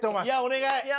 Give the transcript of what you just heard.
いやお願い！